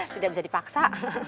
tidak bisa dipaksa